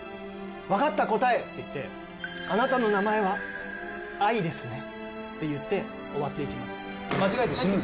「わかった！答え」って言って「あなたの名前は“愛”ですね」って言って終わっていきます。